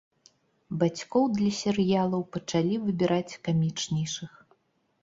Бацькоў для серыялаў пачалі выбіраць камічнейшых.